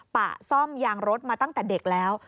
ป่าซ่อมยางรถมาตั้งแต่เด็กแล้ว